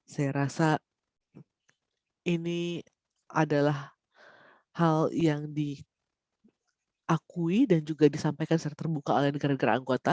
saya rasa ini adalah hal yang diakui dan juga disampaikan secara terbuka oleh negara negara anggota